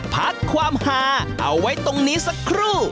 พักความหาเอาไว้ตรงนี้สักครู่